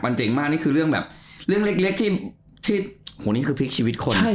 มันเจ๋งมากนี่คือเรื่องแบบเรื่องเล็กที่โอ้โหนี่คือพลิกชีวิตคน